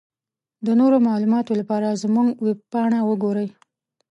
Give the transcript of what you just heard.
د نورو معلوماتو لپاره زمونږ ويبپاڼه وګورٸ.